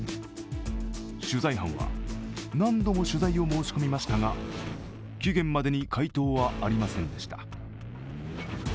取材班は、何度も取材を申し込みましたが期限までに回答はありませんでした。